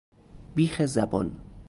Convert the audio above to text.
بیخ زبان